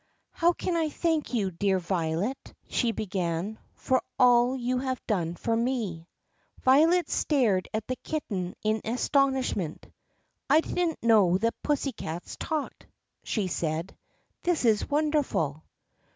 "How can I thank you, dear Violet," she began, "for all you have done for me 4 ?" Violet stared at the kitten in astonishment. "I did n't know that pussycats talked," she said; "this is wonderful!"